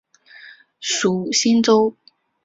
属新州。